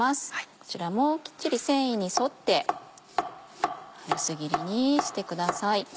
こちらもきっちり繊維に沿って薄切りにしてください。